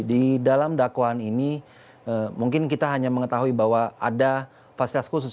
di dalam dakwaan ini mungkin kita hanya mengetahui bahwa ada fasilitas khusus